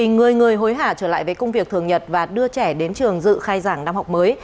người người hối hả trở lại với công việc thường nhật và đưa trẻ đến trường dự khai giảng năm học mới